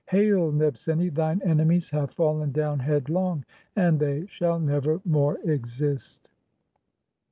Hail, Nebseni, thine enemies have "fallen down headlong and they shall nevermore exist."